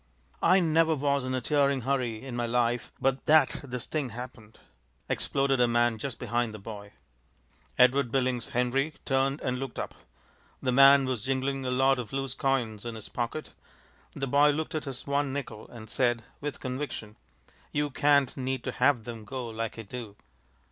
"I never was in a tearing hurry in my life but that this thing happened!" exploded a man just behind the boy. Edward Billings Henry turned and looked up. The man was jingling a lot of loose coins in his pocket. The boy looked at his one nickel, and said, with conviction, "You can't need to have 'em go like I do."